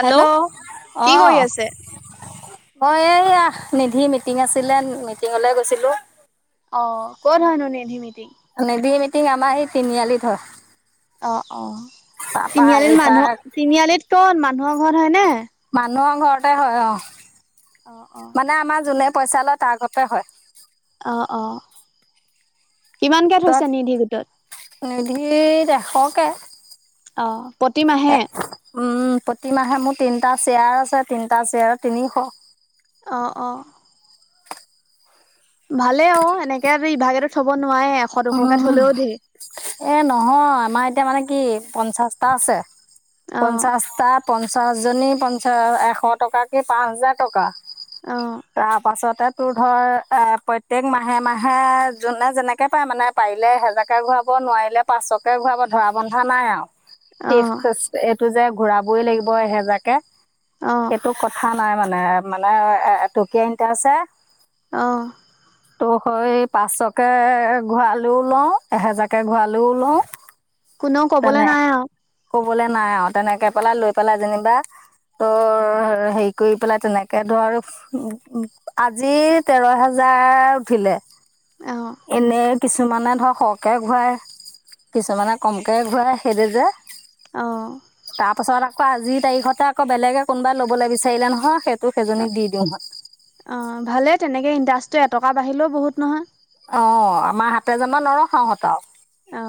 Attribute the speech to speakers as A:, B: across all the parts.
A: Hello
B: কি কৰি
A: অঁ।
B: আছে?
A: মই এই আ নিধি মিটিং আছিলে মিটিঙলে গৈছিলো।
B: অ ক'ত হয়নো নেধিমিতিং।
A: নিধি মিটিং আমাৰ সেই তিনিআলিত হয়।
B: অ অ
A: তাৰপা
B: তিনিআলিত
A: আহি
B: মানুহ
A: পাই
B: তিনিআলিত কত মানুহৰ ঘৰত হয়নে।
A: মানুহৰ ঘৰতে হয় অ
B: অ', অ'।
A: মানে আমাৰ যোনে পইচা লয় তাৰ ঘতে হয়।
B: অ অ কিমানকে থৈছে নিধি গোটত।
A: নিধি এশকে।
B: অ
A: এ
B: প্ৰতিমাহে।
A: উম প্ৰতিমাহে মোৰ তিনিটা শ্বেয়াৰ আছে তিনিটা শ্বেয়াৰ তিনিশ।
B: অ অ। ভালেই অক এনেকে দি ইভাগেটো থব নোৱাৰে আও
A: অ অ, এ নহয় আমাৰ এতিয়া মানে কি পঞ্চাশটা আছে।
B: অ'।
A: পঞ্চাশটা পঞ্চাশ জনী পঞ্চা এশ টকাকে পাঁচ হাজাৰ টকা।
B: অ',
A: তাৰ পাছতে তোৰ ধৰ এ প্ৰত্যেক মাহে মাহে যোনে যেনে- কে পাই মানে পাৰিলে এহেজাকে ঘূৰাব নোৱাৰিলে পাঁচশকে ঘূৰাব ধৰা বন্ধা নাই আও ঠিক
B: অ',
A: কৈছে, এইটো যে ঘূৰাবই লাগিব এহেজাকে
B: অ
A: সেইটো কথা নাই মানে মানে এটকিয়া ইনট্ৰাষ্ট হে
B: অঁ।
A: ত সেই পাঁচশকে কে ঘুৰালেও লওঁ এহেজাকে ঘুৰালেও লওঁ
B: কোনেও কবলে
A: তেনে
B: নাই আও
A: ক'বলে নাই আও তেনেকে পেলাই লৈ পেলাই যেনেবা অ অ হেৰি কৰি পেলাই তেনেকে ধৰ উ আজি তেৰ হেজাৰ উঠিলে।
B: অ।
A: এনেই কিছুমানে ধৰক সৰহকে ঘূৰাই। কিছুমানে কমকে ঘূৰাই, সেইটো যে
B: অঁ।
A: তাৰ পাছত আকৌ আজিৰ তাৰিখতে আকৌ বেলেগে কোনোবাই ল'বলে বিচাৰিলে নহয় সেই- তোক সেইজনীক দি দিওঁ হত
B: অঁ ভালেই তেনেকৈ ইনটাৰেষ্টটো এটকা বাঢ়িলেও বহুত নহয়।
A: অ আমাৰ হাতে জমা নৰখাওঁ হতক
B: অ।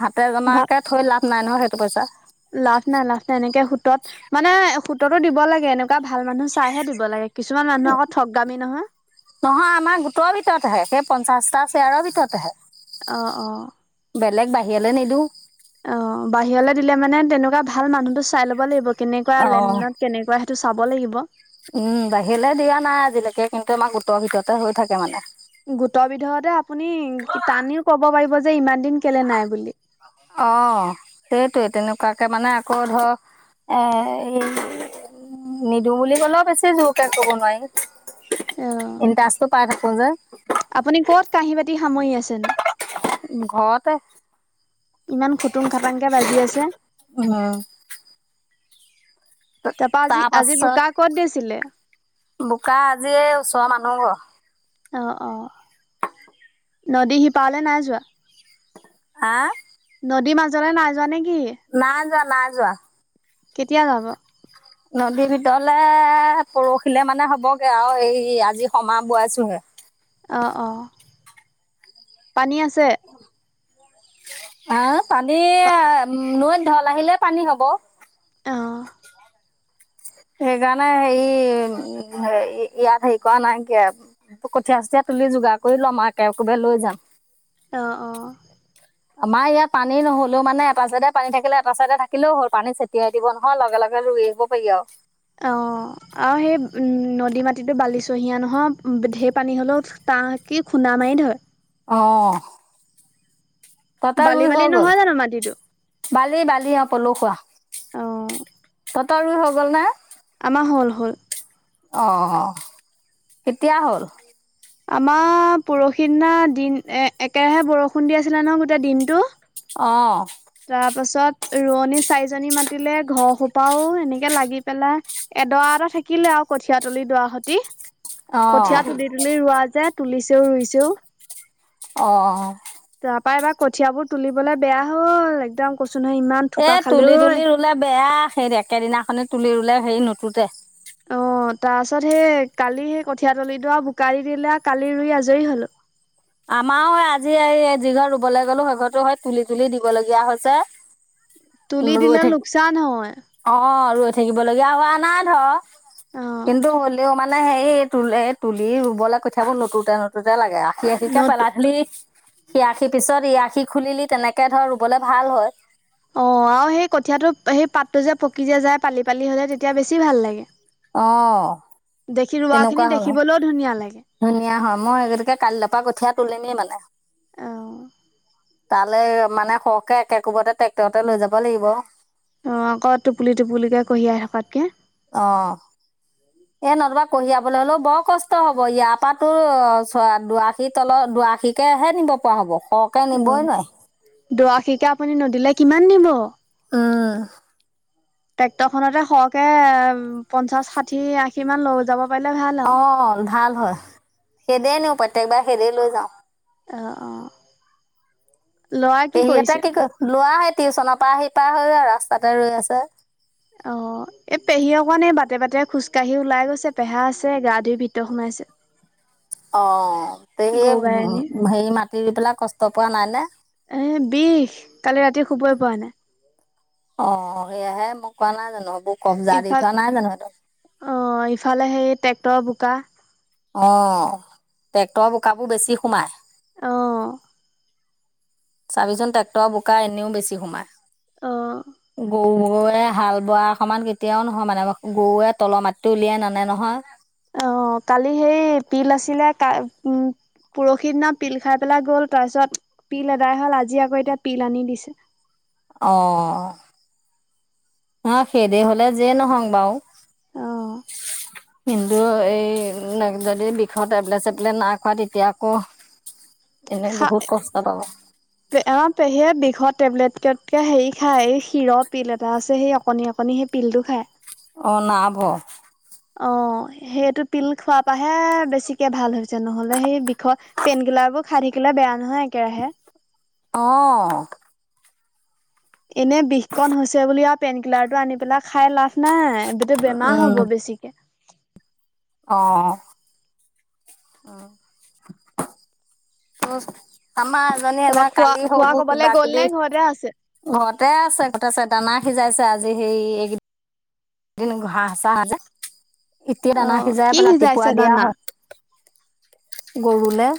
A: হাতে
B: ভা
A: জমাকে থৈ লাভ নাই নহয় সেইটো পইচা।
B: লাভ নাই লাভ নাই এনেকে সুতত মানে সুততো দিব লাগে এনেকুৱা ভাল মানুহ চাইহে দিব লাগে। কিছুমান মানুহ আকৌ ঠগামী নহয়।
A: নহয় আমাৰ গোটৰ ভিতৰত আহে সেই পঞ্চাশটা শ্বেয়াৰৰ ভিতৰত আহে।
B: অ অ।
A: বেলেগ বাহিৰলে নিদো।
B: অ বাহিৰলে দিলে মানে তেনেকুৱা ভাল মানুহতো চাই ল'ব লাগিব কেনেকুৱা
A: অঁ
B: লেনদেনত। কেনেকুৱা সেইটো চাব লাগিব।
A: উম বাহিৰলে দিয়া নাই আজিলেকে কিন্তু আমাৰ গোটৰ ভিতৰতে হৈ থাকে মানে।
B: গোটৰ ভিতৰতে আপুনি টানিও কব পাৰিব যে ইমান দিন কেলে নাই বুলি।
A: অ সেইটোৱে তেনেকুৱাকে মানে আকৌ ধৰ- এ এই নিদো বুলি কলো বেছি জোৰকে ক'ব
B: অ
A: নোৱাৰি ইনটাষ্টটো পাই থাকো যে
B: আপুনি ক'ত কাঁহী বাতি সামৰি আছেনো?
A: ঘৰতে।
B: ইমান খুটুং খাটাং কে বাজি আছে।
A: উম।
B: তাপা আজি,
A: তাৰ
B: আজি
A: পাছত
B: বোকা কত দিছিলে?
A: বোকা আজি এই ওচৰৰ মানুহ ঘৰ
B: অঁ অঁ।
A: [unintelligible]
B: নদী শিপাৰলৈ নাই যোৱা?
A: হা?
B: নদীৰ মাজলৈ নাই যোৱা নেকি?
A: নাই যোৱা নাই যোৱা।
B: কেতিয়া যাব?
A: নদীৰ ভিতৰলে পৰহিলে মানে হ'বগে আৰু এই আজি সমা বোৱাইছোহে।
B: অঁ অঁ' পানী আছে?
A: আ, পানী নৈত ঢল আহিলে পানী হ'ব।
B: অঁ।
A: সেইকাৰণে হেৰি উম ইয়াত হেৰি কৰা নাইকিয়া। কঠীয়া চঠীয়া তুলি যোগাৰ কৰি লম, মই একে কোবে লৈ যাম।
B: অঁ অঁ।
A: [unintelligible] আমাৰ ইয়াত পানী নহ'লেও মানে এটা চাইডে পানী থাকিলে এটা চাইডে থাকিলেও হ'ল, পানী ছটিয়াই দিব নহয় লগে লগে ৰুই আহিব পাৰিবি আৰু।
B: অঁ আৰু সেই উমঁ' নদী মাটিতো বালি চহিয়া নহয়, ঢেৰ পানী হ'লেও তাহ কি খুন্দা মাৰি ধৰে।
A: অঁ। তহঁতৰ
B: বালি
A: ৰুই
B: বালি
A: হৈ গ'ল?
B: নহয় জানো মাটিটো
A: বালি বালি অঁ' পলখুৱা।
B: অঁ।
A: তহঁতৰ ৰুই হৈ গ'ল না?
B: আমাৰ হ'ল হ'ল।
A: অঁ' কেতিয়া হ'ল?
B: আমাৰ পৰহিদিনা দিন একেৰাহে বৰষুণ দি আছিলে নহয় গোটেই দিনটো
A: অঁ।
B: তাৰ পাছত ৰোৱনী চাৰিজনী মাতিলে, ঘৰ সোপাও এনেকে লাগি পেলাই এডৰা এটা থাকিলে আৰু কঠিয়া তুলি দুৱাহতি,
A: অঁ
B: কঠিয়া তুলি তুলি ৰোৱা যে- তুলিছেও ৰুইছেও।
A: অঁ।
B: তাৰপা এবাৰ কঠিয়াবোৰ তুলিবলে বেয়া হ'ল একদম কৈছোঁ নহয় ইমান থোপা
A: এ
B: খালে
A: তুলি
B: ঐ।
A: তুলি ৰুলে বেয়া হেৰি একেদিনাখনে তুলি ৰুলে হেৰি নুতোতে।
B: অঁ' তাৰ পাছত সেই কালি সেই কঠিয়া তলিটো আৰু বোকাৰি দিলে কালি ৰুই আজৰি হলোঁ।
A: আমাৰও আজি এই যি ঘৰ ৰুবলৈ গ'লো সেই ঘৰটো সেই তুলি তুলি দিবলগীয়া হৈছে।
B: তুলি
A: ৰৈ
B: দিলে
A: থাকি
B: লোকচান হয়।
A: অঁ' ৰৈ থাকিবলগীয়া হোৱা নাই ধৰ
B: অ
A: কিন্তু হ'লেও মানে মানে সেৰি তু-তুলি ৰুবলৈ কঠিয়াবোৰ নুতুতে নুতুতে লাগে আৰু। এৰাশীকে
B: নত
A: পেলা থলি, এআশীৰ পিছত ইআশী খুলিলি তেনেকে ধৰ ৰুবলৈ ভাল হয়।
B: অঁ আৰু সেই কঠীয়াটো সেই পাতটো যে পকি যে যায় পালি পালি হে যায় তেতিয়া বেছি ভাল লাগে।
A: অঁ
B: দেখি ৰোৱা
A: তেনেকুৱা
B: খিনি
A: হ'ল
B: দেখিবলৈও ধুনীয়া লাগে।
A: ধুনীয়া হয়। মই এই গতিকে কালিলে পৰা কঠিয়া তুলিমেই মানে।
B: অ।
A: তালৈ মানে সৰহকে একে কোবতে ট্ৰেক্টৰতে লৈ যাব লাগিব।
B: অঁ আকৌ টোপুলি টোপুলিকৈ কঢ়িয়াই থকাতকৈ।
A: অঁ। এ নতুবা কঢ়িয়াবলৈ হ'লেও বৰ কষ্ট হ'ব। ইয়াৰ পৰা তোৰ চ দুআশীৰ তলত, দুআশী কেহে নিব পৰা হ'ব, সৰহকে নিবই নোৱাৰি।
B: দুৰাশীকে আপুনি নদীলে কিমান নিব।
A: উমঁ।
B: ট্ৰেক্টৰ খনতে সৰহকে পঞ্চাশ, ষাঠী, আশী মান লৈ যাব। পাৰিলে ভাল আৰু
A: অঁহ', ভাল হয়। সেনেকে নিওঁ প্ৰত্যেক বাৰ সেনেকেই লৈ যাওঁ।
B: অঁহ', -অঁহ', -।
A: পেহীহঁতে
B: কৰিছে
A: এটা কি ল'ৰা আহি টিউচনৰ পৰা আহি পাৰ হৈ আৰু ৰাস্তাতে ৰৈ আছে।
B: অহ', - এই পেহী অকণ এই বাটে-বাটে খোজকাঢ়ি ওলাই গৈছে, পেহা আছে গা ধুই ভিতৰত সোমাইছে।
A: [inaudible] অহ', -অঁহ', - পেহীয়ে
B: গৰু গাই আনি
A: হেৰি মাটি দি পেলাই কষ্ট পোৱা নাই নে?
B: এ' বিষ, কালি ৰাতি শুবই পোৱা নাই।
A: অহ', -সেয়াহে মোক কোৱা নাই জানো সেইবোৰ কব্জা দি থোৱা নাই জানো সিহঁত।
B: অঁহ', -ইফালে সেই ট্ৰেক্টৰৰ বোকা।
A: অঁহ', ট্ৰেক্টৰৰ বোকাবোৰ বেছি সোমায়।
B: অঁহ।
A: চাবিচোন ট্ৰেক্টৰ বোকা এনেও বেছি সোমাই।
B: অ
A: গৰুৱে হা'ল- বৰা অকণমান কেতিয়াও নহয় মানে, গৰুৱে তলৰ মাটিটো উলিয়াই নানে নহয়।
B: অহ', - কালি সেই পিল আছিলে উম'- পৰহি দিনাত পিল খাই পেলাই গ'ল তাৰপিছত পিল এদাই হ'ল আজি আকৌ এতিয়া পিল আনি দিছে।
A: অঁহ', সেই হ'লে যিয়ে নহওঁ বাৰু।
B: অঁ।
A: কিন্তু এই মই যদি বিষৰ টেবলেট-চেবলেট নাই খোৱা তেতিয়া আকৌ- এনেই বহুত কষ্ট পাওঁ।
B: এ' পেহীয়ে বিষৰ টেবলেট ক'তকে হেৰি খায়, এই শিৰ পিল এটা আছে সেই অকণনি-অকণনি সেই পিলটো খায়।
A: অহ', নাৰ্ভৰ।
B: অহ', সেইটো পিল খোৱাৰ পৰা'হে বেছিকে ভাল হৈছে, নহ'লে সেই বিষত- পেইন কিলাৰ বোৰ খাই থাকিলে বেয়া নহয় একেৰাহে।
A: অঁহ
B: এনেই বিষকণ হৈছে বুলি আৰু পেইনকিলাৰ টো আনি পেলাই খাই লাভ নাই বেমাৰ হ'ব বেছিকে।
A: অঁ। আমাৰ- মানে
B: তাৰপা
A: এনেকুৱা
B: খোৱা
A: কালি
B: খোৱা
A: সৰু-সৰু
B: কবালৈ গ'ল নে
A: কিবা-কিবি-
B: ঘৰতে আছে?
A: ঘৰতে আছে, ঘৰত আছে দানা সিজাইছে আজি হেৰি- দিন ঘাহ-চা যে এতিয়া দানা
B: অ'
A: সিজাই
B: কি
A: পেলাই ৰাতিপুৱা
B: সিজাইছে
A: দিয়া
B: দানা?
A: হয়। গৰুলে।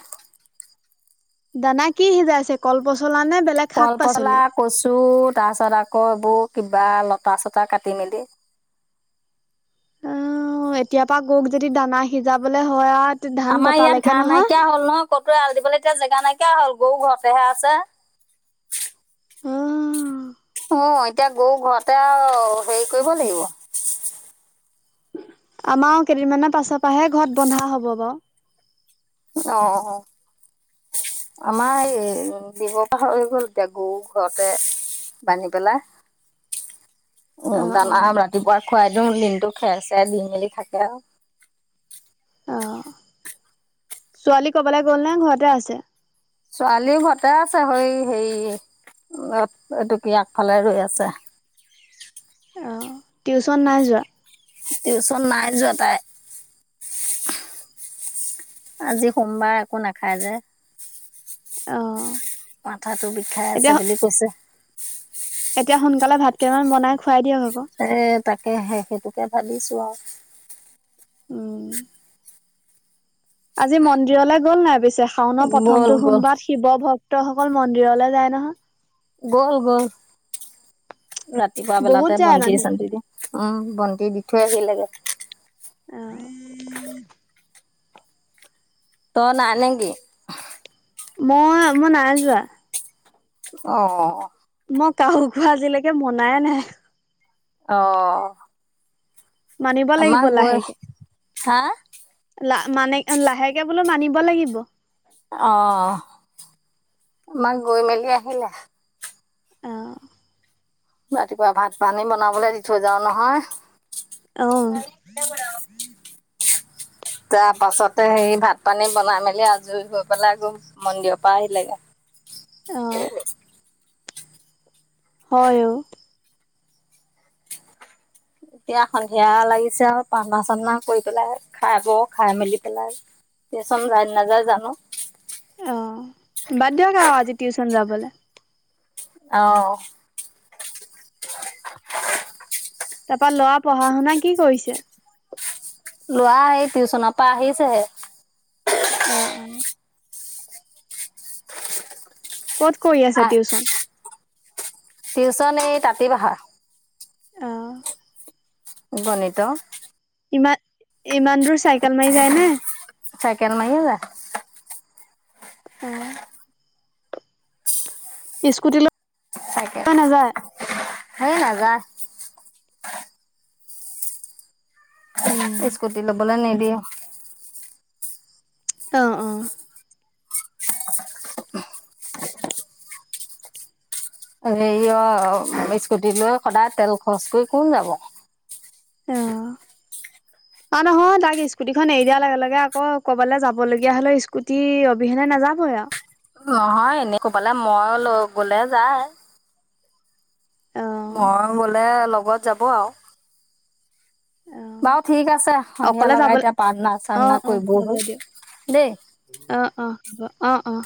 B: দানা কি সিজাইছে কল পচলা নে বেলেগ? শাক
A: কলপচলা,
B: পাচলি?
A: কছো তাৰ পিছত আকৌ এইবোৰ কিবা লতা-চটা কাটি মেলি।
B: উমঁ, এতিয়াৰ পৰা গৰুক যদি দানা সিজাবলে হয় আও।
A: আমাৰ ইয়াত ঘাঁহ নাইকিয়া হ'ল নহয়, ক'তো এয়ালি দিবলৈ এতিয়া জেগা নাইকিয়া হ'ল গৰু ঘৰতে'হে আছে।
B: অ'
A: অহ', এতিয়া গৰু ঘৰতে আৰু হেৰি কৰিব লাগিব।
B: আমাৰ কেইদিনমানৰ পাছৰ পৰাহে ঘৰত বন্ধা হ'ব বাৰু।
A: অঁহ', -অঁহ', -। আমাৰ এই ব্যৱসায় হৈ গ'ল এতিয়া গৰু ঘৰতে- বান্ধি পেলাই। উম'
B: অ'
A: দানা
B: অ'
A: ৰাতিপুৱা খুৱাই দিওঁ দিনটো খেৰ-চেৰ দি মেলি থাকে আৰু।
B: অ, ছোৱালী কৰবালৈ গ'ল নে ঘৰতে আছে?
A: ছোৱালী ঘৰতে আছে সেই হেৰি অ এইটো কি আগফালে ৰৈ আছে।
B: টিউশ্যন নাই যোৱা?
A: টিউচন নাই যোৱা তাই উহ। আজি সোমবাৰ, একো নাখায় যে।
B: অ।
A: মাথাতো বিষাই আছে
B: এতিয়া
A: বুলি কৈছে।
B: এতিয়া সোনকালে ভাত কেইটামান বনাই খোৱাই দিয়ক আকৌ।
A: এ তাকে হে সেইটোকে ভাবিছো আৰু।
B: উম। আজি মন্দিৰলৈ গ'ল নাই পিছে, শাওনৰ
A: আৰু গ'ল
B: প্ৰথমটো
A: গ'ল
B: সোমবাৰ? শিৱ ভক্তসকল মন্দিৰলৈ যায় নহয়?
A: গ'ল, গ'ল। ৰাতিপুৱা
B: বহুত
A: বেলাতে
B: যায়
A: বন্তি -
B: মানুহ
A: চন্তি দি। অহ, ' বন্তি দি থৈ আহিলেগে।
B: এ
A: ত নাই নেকি?
B: মই, এ মই নাই যোৱা।
A: অ অ অ।
B: মই কাহু খোৱা আজিলৈকে মনায়ে নাই।
A: অ।
B: মানিব লাগিব
A: আমাৰ গৈ
B: লাহেকে।
A: হা
B: লাহ মানে লাহেকে বোলো মানিব লাগিব।
A: অ, মাক গৈ মেলি আহিলে?
B: অঁ।
A: ৰাতিপুৱা ভাত - পানী বনাবলে দি থৈ যাও নহয়।
B: অহ'।
A: [unintelligible] তাৰ পাছতে সেই ভাত - পানী বনাই মেলি আজৰি হৈ পেলাই আকৌ মন্দিৰৰ পৰা আহিলেগে।
B: অ'। হয় অ'।
A: এতিয়া সন্ধিয়া লাগিছে আৰু পাৰ্থনা-সাৰ্থনা কৰি পেলাই খাই আকৌ খাই মেলি পেলাই টিউচন যায় নাযায় জানো?
B: অ', বাদ দিয়ক আৰু আজি টিউচন যাবলৈ।
A: অহ'।
B: এইবাৰ ল'ৰাই পঢ়া-শুনা কি কৰিছে?
A: ল'ৰা এই টিউচনৰ পৰা আহিছেহে।
B: অ'। ক'ত কৰি আছে
A: আহ
B: টিউচন?
A: টিউচন এই তাতি-পাহা।
B: অহ'।
A: গণিত।
B: ইমান, ইমান দূৰ চাইকেল মাৰি যায় নে?
A: চাইকেল মাৰিয়ে যায়।
B: অ'। স্কুটিলৈ নাযায়।
A: হে নাযায়।
B: উম,
A: স্কুটি ল'বলে নিদিয়ে।
B: অ', অ'।
A: হেৰি অ, ' স্কুটি লৈ সদায় তেল খৰচ কৰি কোন যাব!
B: অ',
A: [unintelligible]
B: অ' নহয়, তাক স্কুটিখন এৰি দিয়া লগে, লগে আকৌ ক'বালৈ যাবলগীয়া হ'লে স্কুটি অবিহেনে নাযাবই আৰু।
A: নহয়, এনে ক'বালে মই লৈ গ'লে যায়।
B: অ',
A: মই গ'লে লগত যাব আৰু।
B: অ',
A: বাৰু ঠিক আছে সন্ধিয়া
B: অকলে
A: লগাই
B: যাবলৈ
A: এতিয়া
B: অ',
A: পাৰ্থনা-সাৰ্থনা
B: অ',
A: কৰিব
B: হ'ব
A: হ'ল,
B: দিয়ক।
A: দেই।
B: অ', অ' হ'ব, অ', অ'।